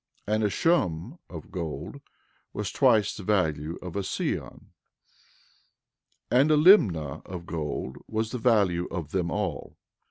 11:9 And a shum of gold was twice the value of a seon. 11:10 And a limnah of gold was the value of them all.